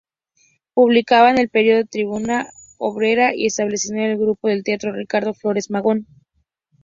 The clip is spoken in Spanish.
Publicaban el periódico Tribuna Obrera y establecieron el grupo del teatro Ricardo Flores Magón.